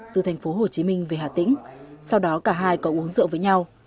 từ thành phố hồ chí minh về hà tĩnh sau đó cả hai có uống rượu với nhau